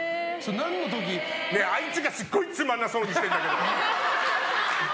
あいつが、すっごいつまんなそうにしてるんだけど！